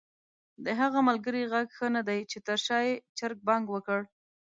د هغه ملګري ږغ ښه ندی چې تر شا ېې چرګ بانګ وکړ؟!